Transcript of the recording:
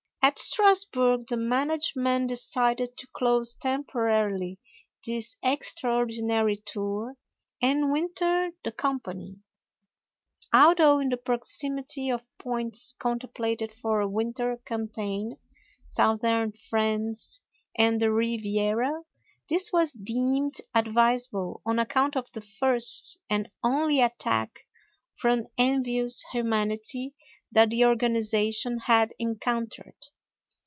At Strasburg the management decided to close temporarily this extraordinary tour and winter the company. Although in the proximity of points contemplated for a winter campaign (southern France and the Riviera), this was deemed advisable on account of the first and only attack from envious humanity that the organization had encountered.